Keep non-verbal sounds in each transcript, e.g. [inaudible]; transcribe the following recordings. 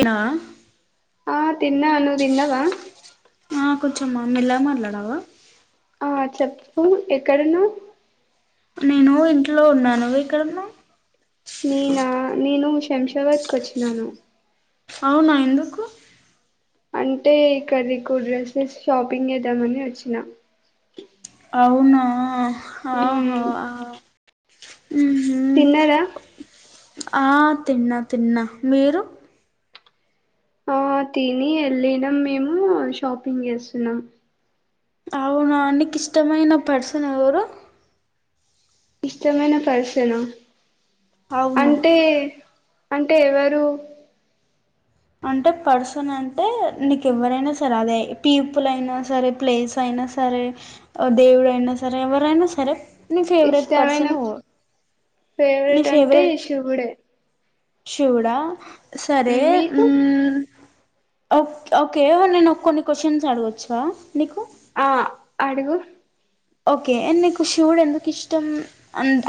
ఏనా ఆ తిన్నా అను తిందవా ఆ కొంచమమ్ మళ మరిలాడావా ఆ చెప్పు ఎక్కడున్నా నేను ఇంట్లో ఉన్నాను అయి కడన్నా నేనా నేను శంషాబాద్కి వచ్చినాను అవునా ఎందుకు అంటే ఇక్కడకు డ్రెస్సెస్ షాపింగ్ చేద్దామని వచ్చిన అవునా ఆహో మ్మ్ తిన్నారా ఆ తిన్నా తిన్నా మీరు ఆ తిని వెళ్ళిన మేము షాపింగ్ చేస్తున్నాం అవునా నీకి ఇష్టమైన పర్సన్ ఎవరు ఇష్టమైన పర్సనా అవును అంటే అంటే ఎవరు అంటే పర్సన్ అంటే నీకు ఎవరైనా సరే అదే పీపుల్ అయినా సరే ప్లేస్ అయినా సరే దేవుడయినా సరే ఎవరైనా సరే నీ ఫేవరెట్ ఇష్టమైన పర్సన్ ఎవరు నీ ఫేవరెట్ అంటే ఫేవరెట్ శివుడే శివుడా సరే కు మ్మ్ ఓకే నేను ఒక కొన్ని క్వశ్చన్స్ అడగొచ్చా నీకు ఆ అడుగు ఓకే నీకు శివుడు ఎందుకు ఇష్టం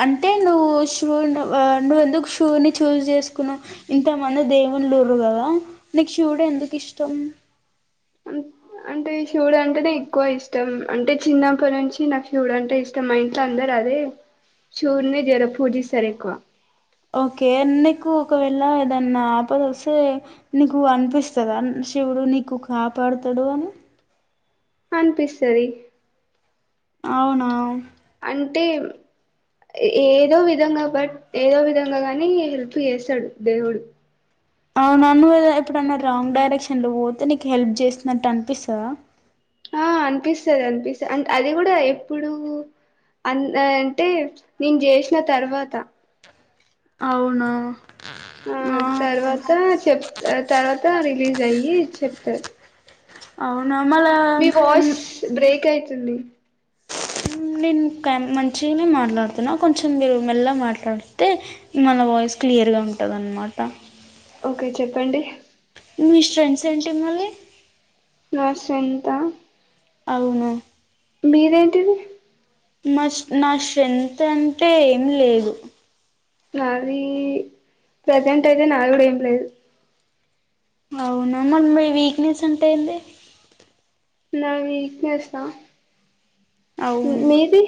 అంటే నువ్వు షూ నువ్వు ఎందుకు శివుణ్ణి చూజ్ చేసుకున్నా ఇంతమంది దేవులూరు కదా నీకు శూవుడే ఎందుకు ఇష్టం అంటే శివుడు అంటేనే ఎక్కువ ఇష్టం అంటే చిన్నప్పటి నుంచి నా శివుడు అంటే ఇష్టం మా ఇంట్లో అందరు అదే శివుడ్నే జర పూజిస్తారు ఎక్కువ ఓకే నీకు ఒకవేళ ఏదన్నా ఆపదస్తే నీకు అనిపిస్తదా శివుడు నీకు కాపాడుతాడు అని అనిపిస్తాది అవునా అంటే ఏదో విధంగా బట్ ఏదో విధంగా గానీ హెల్ప్ చేస్తాడు దేవుడు అవునన్నద ఎప్పుడన్నా రాంగ్ డైరెక్షన్ లో పోతే నీకు హెల్ప్ చేస్తున్నట్టు అనిపిస్తాద ఆ అనిపిస్తాది అనిపిస్తా అంటే అది కూడా ఎప్పుడు అ అంటే నేను చేసిన తర్వాత అవునా ఆ తర్వాత చెప్ తర్వాత రిలీజ్ అయ్యి చెప్తారు అవును మీ వాష్ బ్రేక్ తుంది నేను మంచిగానే మాట్లాడుతున్నా కొంచెం మీరు మెల్ల మాట్లాడితే మన వాయిస్ క్లియర్గా ఉంటుందన్నమాట ఓకే చెప్పండి మీ స్త్రేన్త్స్ ఏంటి మళ్ళీ నా స్త్రెంగ్త్ ఆ అవును మీద ఏంటిది మా నా శ్రెంత్ అంటే ఏమి లేదు నాది ప్రజెంట్ అయితే నాకు కూడా ఏంలేదు అవునా మన వీక్నెస్ ఉంటాంది నక్ నస్ మీది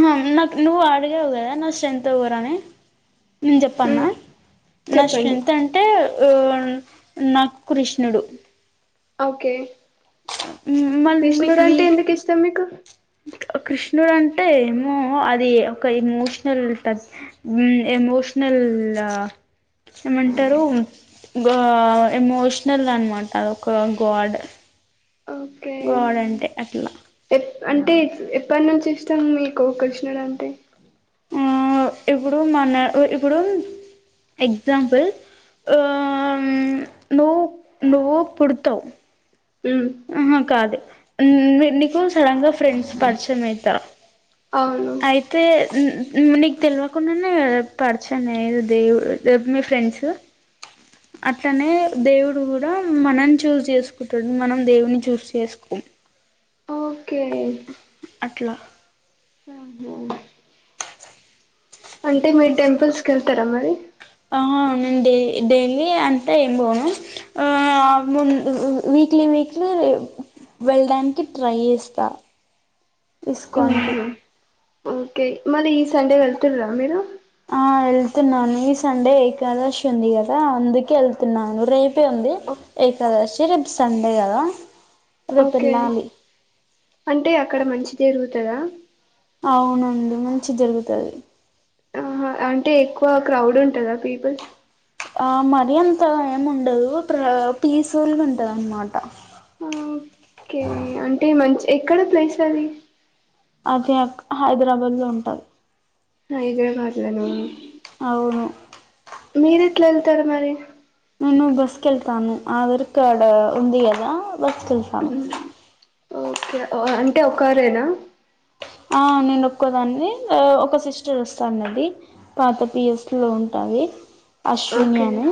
హ నా నువవు అడిగ హోదా నా స్ట్రెంతంతరానే నేను చెప్పన్న మ్మ్ నా చెప్పండి స్ట్రెంగ్త్ అంటే ఆ నాకు కృష్ణుడు ఓకే మళ్ళీ కృష్ణుడు మీకు అంటే వీక్ ఎందుకు ఇస్తాం మీకు కృష్ణుడు అంటే ఏమో అది ఒక ఎమోషనల్ ఎమోషనల్ ఏమంటారు ఎమోషనల్ అనమాట అది ఒక గాడ్ ఓకే గాడ్ అంటే అట్లా ఎప్ అంటే ఎప్పటి నుంచి ఇస్తాం మీకు కృష్ణుడు అంటే ఆ ఇప్పుడు మన ఇప్పుడు ఎగజాంపుల్ ఆ నువ్వు నువ్వు పుడతావు మ్మ్ ఆహా కాదు నీకు సడన్ గా ఫ్రెండ్స్ పరిచయం అవుతారు అవును అయితే నీకు తెల్వకుండానె పరిచయమయ్యేది దేవుడు మీ ఫ్రెండ్స్ అట్లనే దేవుడు కూడ మనని చూజ్ చేసుకుంటడు మనం దేవుని చూస్ చేసుకోం కె అట్ల అంటె మీరు టెంపుల్స్ కె తర మరి ఆ అవునండి డైలి అంటె ఏం పోను ఆ ము వీక్లీ వీక్లీ వెళ్డానికి ట్రై చేస్తా ఇస్కాన్ కి ఓకె మల్లి ఈ సండే వెళ్తున్నారా మీరు ఆ వెళ్తున్నాను ఈ సండే ఏకాదశి ఉంది కదా అందుకె ఎళ్తున్నాను రేపు టే ఉంది ఏకాదష్ యతే రేపు సండే కదా రేపు ఓకె వెళ్ళాలి అంటే అక్కడ మంచి జరుగుతదా అవునండి మంచి జరుగుతాది ఆహా అంటే ఎక్కువ క్రౌడ్ ఉంటదా పీపుల్స్ ఆ మరీ అంత ఏం ఉండదు ప్ర పీస్ఫుల్గుంటదన్నమాట ఓకే అంటే మంచి ఎక్కడ ప్లేస్ అది అదే అక్ హైదరాబాద్ లో ఉంటాది హైదే మాట్లేనా అవును మీరెట్లెళ్తారు మరి మూ నూ బస్కెళ్ తాను అవిరికాడ ఉంది కదా బస్కి వెళ్తాను ఊ ఓకే ఓ అన్ టే ఒకారేనా ఆ నేను ఒక్కోదాన్ని ఒక సిస్టర్ వస్తాన్నది పాత పిఎస్సి లో ఉంటది అశ్విని ఓకే అని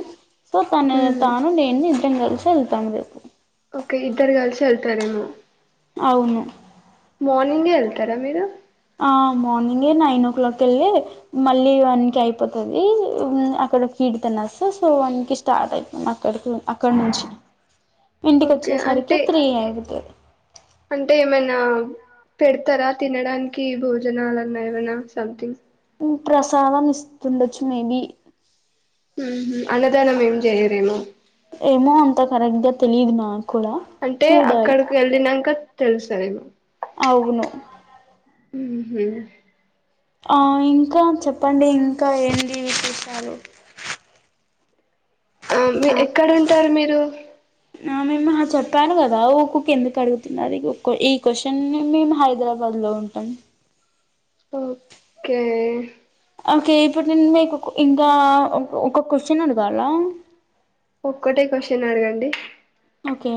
సో తన ఉమ్ తాను నేను ఇద్దరం కలిసి వెళ్ తం వరకు ఓకె ఇద్దరు కలిసి వెళ్తారేమో అవును మార్నింగ్ ఎ వెళ్తారా మీరు ఆ మార్నింగె నైన్ ఓ క్లాక్ వెళ్ళి మళ్ళీ వన్ కి అయిపోతది అక్కడ స్వీట్ తినేస్తా సో వన్ కి స్టార్ట్ అయితం అక్కడికి అక్కడ నుంచి ఇంటికి ఓకె వచ్చేసరికి అంటె త్రీ అయిపోతది అంటె ఏమైనా పెడతారా తినడానికి భోజనలన్నా ఏమైన సంథింగ్ ప్రసాదం ఇస్తుండచ్చు మేబి అన్నదానం ఏం చేయరేమో ఏమో అంత కరెక్ట్ గ తెలీదు మ అంటె అక్కడికి వెళ్ళినంక తెలుస్తదేమో అవును హ్మ్మ్ ఆ ఇంకా చెప్పండి ఇంకా ఏంటి విశేషాలు ఆ మీ హలో ఎక్కడ ఉంటారు మీరు ఆ మేము చెప్పాను కదా ఊకూకే ఎందుకు అడుగుతుంది అది ఈ క్వశ్చన్ నీ మేము హైదరాబాద్ లో ఉంటాం ఓకే ఓకే ఇప్పుడు నేను మీకు ఇంకా ఒక క్వశ్చన్ అడగాల ఒక్కటే క్వశ్చన్ అడగండి ఓకే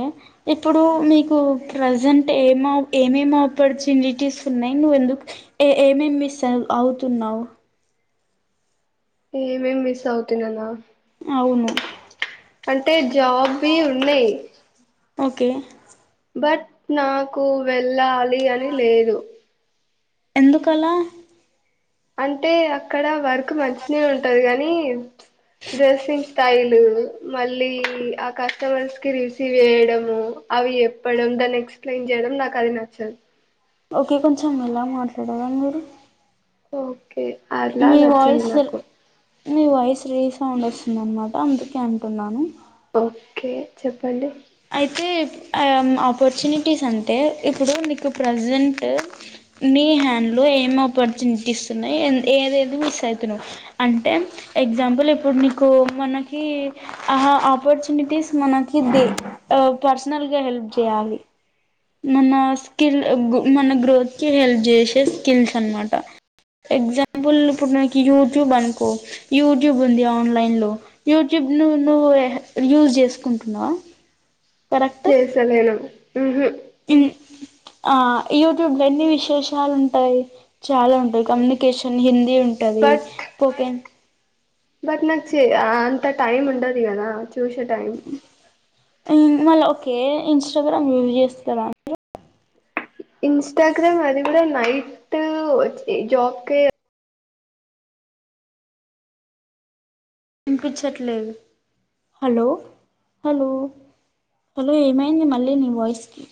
ఇప్పుడు మీకు ప్రజెంట్ ఏమ ఏమేం ఆపర్చునిటీస్ ఉన్నాయి నువ్వు ఎందుకు ఏ ఏమేమి మిస్ అ అవుతున్నావు ఏమేం మిస్ అవుతున్నానా అవును అంటే జాబ్వి ఉన్నాయి ఓకే బట్ నాకు వెళ్ళలి అని లేదు ఎందుకలా అంటే అక్కడ వర్క్ మంచిిన ఉంటది కానీ డ్రెస్సింగ్ స్టైల్ మళ్ళీ ఆ కస్టమర్స్ కి రిసీవ్ చేయడం అవి ఎప్పడం దాన్ని ఎక్స్ప్లెయిన్ చేయడం నాకు అది నచ్చదు ఓకే కొంచెం ఎలా మాట్లాడాల మీరు ఓ ఓకే అలా నచ్చదు నాకు నీ వాయిస్ రీసౌండ్ వస్తుంద అనమాట అందుకే అంటున్నాను ఓకే చెప్పండి అయితే ఆపర్చునిటీస్ అంటే ఇప్పుడు నీకు ప్రజెంట్ నీ హ్యాండ్లో ఏం ఆపర్చునిటీస్ ఉన్నాయి ఏదేది మిస్ అవుతున్నావు అంటే ఎగ్జాంపుల్ ఇప్పుడు నీకు మనకి ఆపర్చునిటీస్ మనకి దే పర్సనల్ గా హెల్ప్ చేయాలి మనస్ స్కిల్ మన గ్రోత్కి హెల్ప్ చేసే స్కిల్స్ అనమాట ఎగ్జాంపుల్ ఇప్పుడు నాకు యూట్యూబ్ అనుకో యూట్యూబ్ ఉంది ఆన్లైన్ లో యూట్యూబ్ ను ను యూజ చేసుకుంటున్నావ పే సేమీను [unintelligible] ఆ యూట్యూబ్ లో ఎన్ని విశేషాలు ఉంటాయి చాలా ఉంటాయి కమ్యూనికేషన్ ఇన్ ఇ ఉంటది బట్ పోతేన్ చి అంత టైమ్ ఉండదిఇగానా చూశా టైం మళ్ళీ ఓకే ఇన్స్టాగ్రామ్ యూజ్ చేస్తారా అండి ఇన్స్టాగ్రామ్ అది కూడా నై [unintelligible] జాబ్క ఇనిపించట్లేదు, హలో హలో హలో ఏమైంది మళ్ళీ నీ వాయిస్ కి